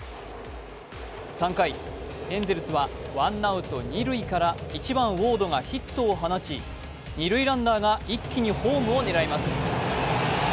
３回、エンゼルスはワンアウト二塁から１番・ウォードがヒットを放ち、２塁ランナーが一気にホームを狙います。